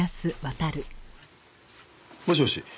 もしもし？